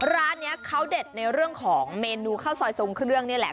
ร้านนี้เขาเด็ดในเรื่องของเมนูข้าวซอยทรงเครื่องนี่แหละ